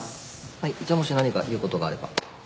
はいじゃあもし何か言うことがあれば。